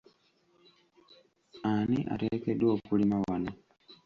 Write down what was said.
Ani ateekeddwa okulima wano ?